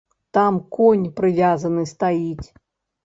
Там конь прывязаны стаіць.